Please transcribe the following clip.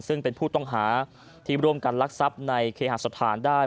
ซึ่งเป็นผู้ต้องหาที่ร่วมกันลักทรัพย์ในเคหาสถานได้